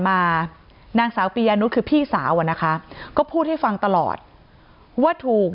มานางสาวปียานุษย์คือพี่สาวอะนะคะก็พูดให้ฟังตลอดว่าถูก